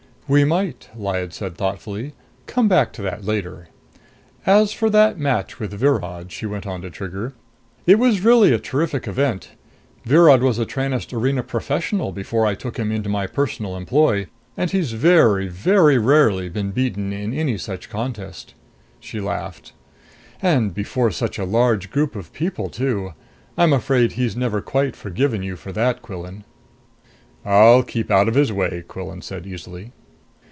"We might," Lyad said thoughtfully, "come back to that later. As for that match with Virod," she went on to Trigger, "it was really a terrific event! Virod was a Tranest arena professional before I took him into my personal employ, and he's very, very rarely been beaten in any such contest." She laughed. "And before such a large group of people too! I'm afraid he's never quite forgiven you for that, Quillan." "I'll keep out of his way," Quillan said easily.